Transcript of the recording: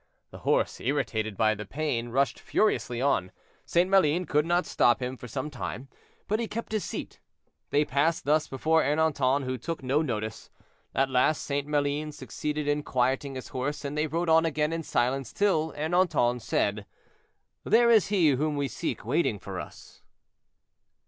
The horse, irritated by the pain, rushed furiously on. St. Maline could not stop him for some time, but he kept his seat. They passed thus before Ernanton, who took no notice. At last St. Maline succeeded in quieting his horse, and they rode on again in silence till Ernanton said: "There is he whom we seek waiting for us."